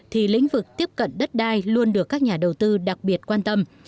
thì lĩnh vực tiếp cận đất đai luôn được các nhà đầu tư đặc biệt quan tâm